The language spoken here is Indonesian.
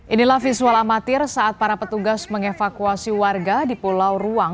inilah visual amatir saat para petugas mengevakuasi warga di pulau ruang